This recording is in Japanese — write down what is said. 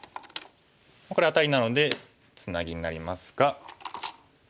これアタリなのでツナギになりますが。